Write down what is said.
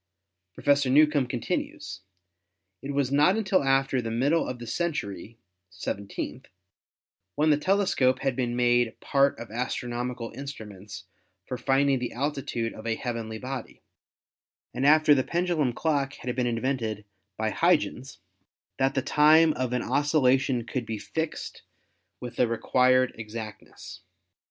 Professor Newcomb continues: "It was not until after the middle of the century (seventeenth), when the tele scope had been made part of astronomical instruments for finding the altitude of a heavenly body, and after the pendulum clock had been invented by Huygens, that the time of an occultation could be fixed with the required exactness.